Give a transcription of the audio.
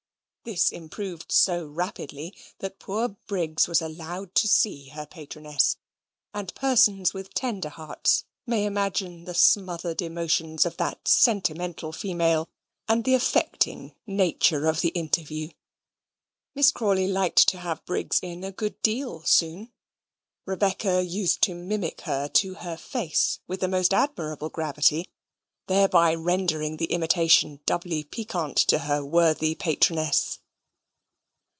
This improved so rapidly, that poor Briggs was allowed to see her patroness; and persons with tender hearts may imagine the smothered emotions of that sentimental female, and the affecting nature of the interview. Miss Crawley liked to have Briggs in a good deal soon. Rebecca used to mimic her to her face with the most admirable gravity, thereby rendering the imitation doubly piquant to her worthy patroness.